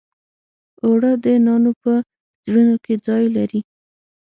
اوړه د نانو په زړونو کې ځای لري